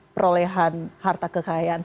perolehan harta kekayaan